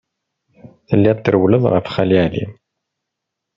Telliḍ trewwleḍ ɣef Xali Ɛli.